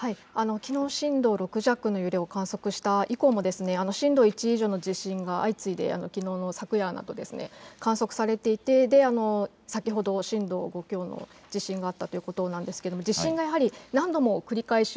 きのう震度６弱の揺れを観測した以降も震度１以上の地震が相次いで昨夜など観測されていて先ほど震度５強の地震があったということなんですけども地震が何度も繰り返し